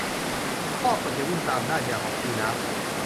ท่อเกือบจะวิ่งตามด้านยาวของคูน้ำ